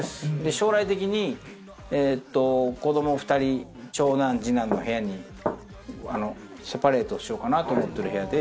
将来的に子供２人、長男次男の部屋、セパレートしようかなと思っとる部屋で。